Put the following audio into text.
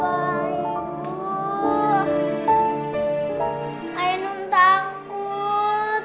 papa ibu ainung takut